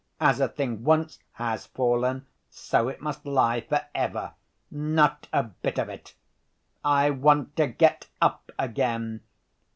As a thing once has fallen, so it must lie for ever. Not a bit of it! I want to get up again.